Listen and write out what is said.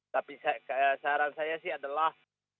tapi saran saya sih adalah